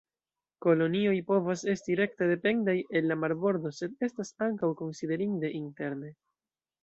Kolonioj povas esti rekte dependaj el la marbordo sed estas ankaŭ konsiderinde interne.